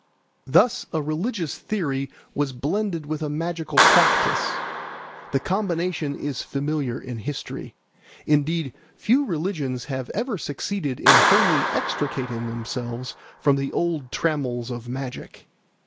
Thus a religious theory was blended with a magical practice. The combination is familiar in history. Indeed, few religions have ever succeeded in wholly extricating themselves from the old trammels of magic.